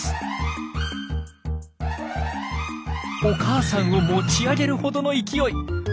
お母さんを持ち上げるほどの勢い！